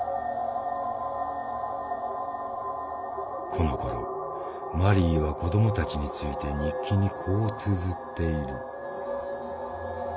このころマリーは子どもたちについて日記にこうつづっている。